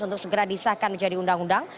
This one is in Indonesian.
untuk segera disahkan menjadi undang undang